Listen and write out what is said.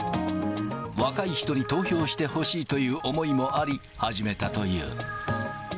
若い人に投票してほしいという思いもあり、始めたという。